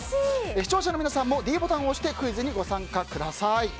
視聴者の皆さんもｄボタンを押してクイズにご参加ください。